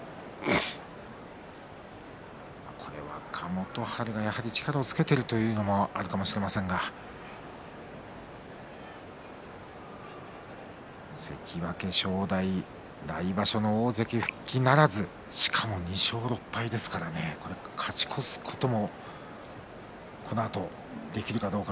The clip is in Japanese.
これは若元春が力をつけているというのもあるかもしれませんが関脇正代来場所の大関復帰ならずしかも２勝６敗ですからね勝ち越すこともこのあとできるかどうか。